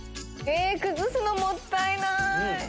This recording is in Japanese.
崩すのもったいない。